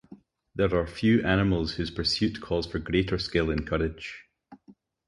There are few animals whose pursuit calls for greater skill and courage.